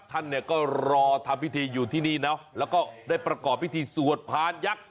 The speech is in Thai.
ท่านเนี่ยก็รอทำพิธีอยู่ที่นี่เนาะแล้วก็ได้ประกอบพิธีสวดพานยักษ์